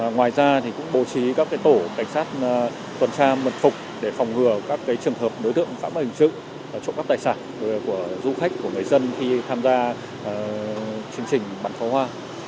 ngoài ra cũng bố trí các tổ cảnh sát tuần tra mật phục để phòng ngừa các trường hợp đối tượng phạm hình sự trộm cắp tài sản của du khách của người dân khi tham gia chương trình bắn pháo hoa